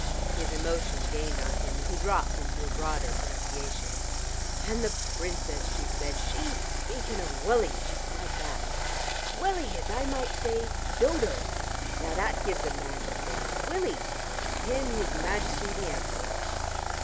His emotion gained on him, and he dropped into a broader pronunciation. "And the Princess!" he said. "She speaking of Wullie, just like that. 'Wullie,' as I might say 'Dodo.' Now that gives a man to think. Wullie! And him his Majesty the Emperor!"